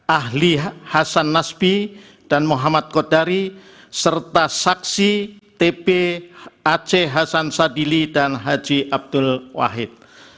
ahli hasan nasbi dan muhammad kodari serta saksi tp aceh hasan sadili dan haji abdul wahid